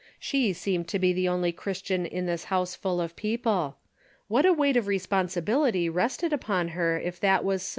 She seemed to be the only Christian in this house full of people. What a weight of responsibility rested upon her if that was so.